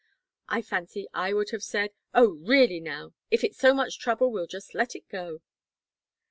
I fancy I would have said: 'Oh, really now if it's so much trouble, we'll just let it go.'"